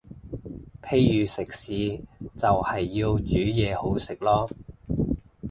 譬如食肆就係要煮嘢好食囉